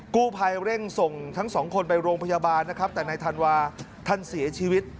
กู้ภัยเร่งส่งทั้ง๒คนไปโรงพยาบาลแต่ในทานวาท่านเสียชีวิต